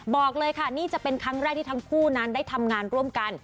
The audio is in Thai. บอกเลยค่ะนี่จะเป็นครั้งแรกที่ทั้งคู่นั้นได้ทำงานร่วมกัน